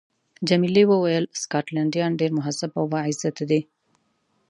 جميلې وويل: سکاټلنډیان ډېر مهذب او با عزته دي.